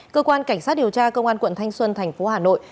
cơ quan cảnh sát điều tra công an quận thanh xuân tp hà nội